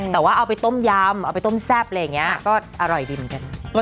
แต่ว่าเอาไปต้มยำเอาไปต้มแซ่บอะไรอย่างนี้ก็อร่อยดีเหมือนกัน